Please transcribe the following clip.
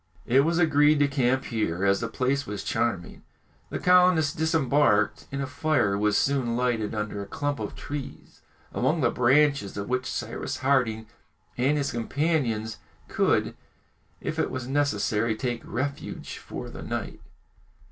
It was agreed to camp here, as the place was charming. The colonists disembarked, and a fire was soon lighted under a clump of trees, among the branches of which Cyrus Harding and his companions could, if it was necessary, take refuge for the night.